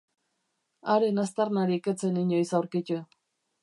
Haren aztarnarik ez zen inoiz aurkitu.